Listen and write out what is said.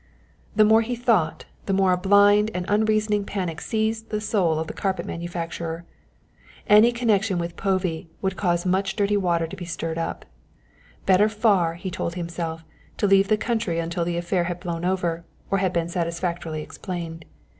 The more he thought, the more a blind and unreasoning panic seized the soul of the carpet manufacturer. Any connection with Povey would cause much dirty water to be stirred up. Better far, he told himself, to leave the country until the affair had blown over or had been satisfactorily explained.